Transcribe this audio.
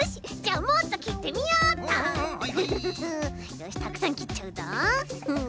よしたくさんきっちゃうぞ。